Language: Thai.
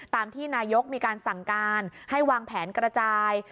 ที่นายกมีการสั่งการให้วางแผนกระจาย